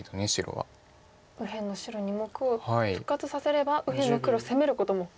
右辺の白２目を復活させれば右辺の黒攻めることも。